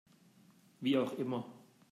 Wie auch immer.